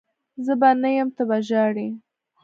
زه به نه یم ته به ژاړي